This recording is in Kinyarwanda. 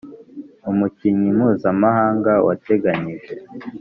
umukinnyi mpuzamahanga wateganyije